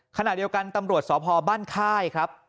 ขณะเดียวกันตำรวจสพบ้านค่ายครับ